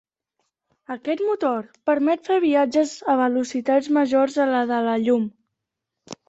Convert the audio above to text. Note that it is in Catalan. Aquest motor permet fer viatges a velocitats majors a la de la llum.